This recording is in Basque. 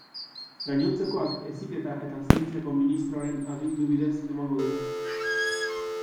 Gainontzekoak Heziketa eta Zientziako Ministroaren agindu bidez emango dira.